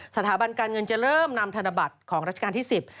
สถาบันการเงินจะเริ่มนำธนบัตรของราชการที่๑๐